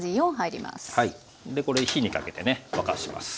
でこれ火にかけてね沸かします。